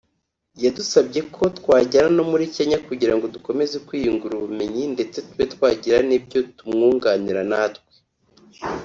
yadusabye ko twajyana no muri Kenya kugira ngo dukomeze kwiyungura ubumenyi ndetse tube twagira n’ibyo tumwunganira natwe